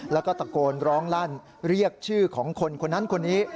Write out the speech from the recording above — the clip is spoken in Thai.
แล้วก็ตะโกนร้องลั่นเรียกชื่อของคนคนนั้นคนนี้